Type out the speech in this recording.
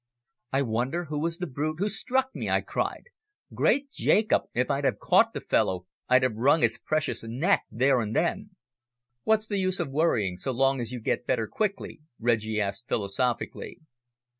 "I wonder who was the brute who struck me!" I cried. "Great Jacob! if I'd have caught the fellow, I'd have wrung his precious neck there and then." "What's the use of worrying, so long as you get better quickly?" Reggie asked philosophically.